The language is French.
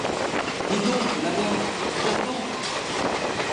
Dites donc, là-bas, on vous attend!